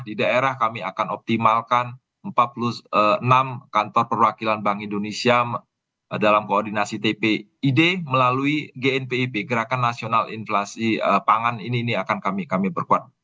di daerah kami akan optimalkan empat puluh enam kantor perwakilan bank indonesia dalam koordinasi tpid melalui gnpib gerakan nasional inflasi pangan ini akan kami perkuat